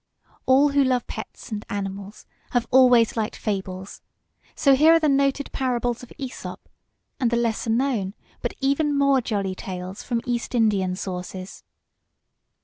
All who love pets and animals have always liked FABLES, so here are the noted parables of Æsop, and the lesser known but even more jolly tales from East Indian sources.